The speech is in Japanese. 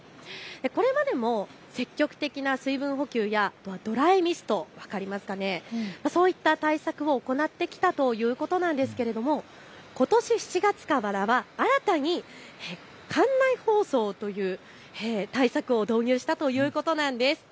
これまでも積極的な水分補給やドライミスト、そういった対策を行ってきたということなんですけれどもことし７月からは新たに館内放送という対策を導入したということなんです。